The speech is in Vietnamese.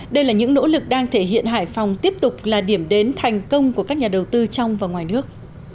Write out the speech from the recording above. đây là những nỗ lực đang thể hiện hải phòng tiếp tục là điểm đến thành công của các nhà đầu tư trong và ngoài nước